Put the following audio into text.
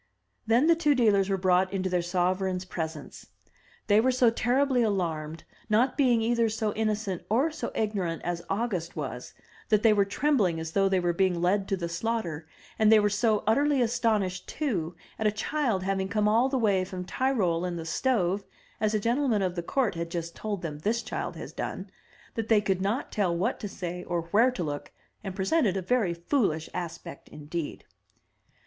Then the two dealers were brought into their sovereign's presence. They were so terribly alarmed, not being either so innocent or so ignorant as August was, that they were trembling as though they were being led to the slaughter, and they were so utterly astonished too at a child having come all the way from Tyrol in the stove, as a gentleman of the court had just told them this child had done, that they could not tell what to say or where to look, and presented a very foolish aspect indeed.